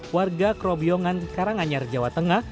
warga kerobiongan karanganyar jawa tengah